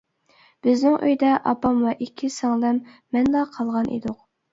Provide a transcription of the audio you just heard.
بىزنىڭ ئۆيدە ئاپام ۋە ئىككى سىڭلىم مەنلا قالغان ئىدۇق.